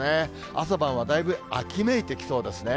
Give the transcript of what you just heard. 朝晩はだいぶ秋めいてきそうですね。